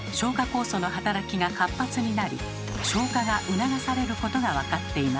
酵素の働きが活発になり消化が促されることが分かっています。